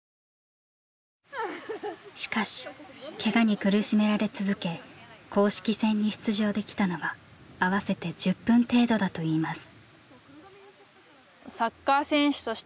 しかしケガに苦しめられ続け公式戦に出場できたのは合わせて１０分程度だといいます。